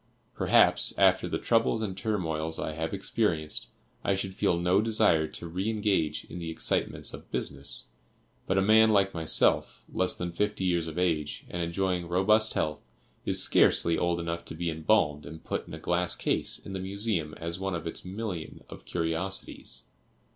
Perhaps, after the troubles and turmoils I have experienced, I should feel no desire to re engage in the excitements of business, but a man like myself, less than fifty years of age, and enjoying robust health, is scarcely old enough to be embalmed and put in a glass case in the Museum as one of its million of curiosities.